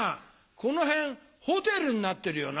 この辺ホテルになってるよな。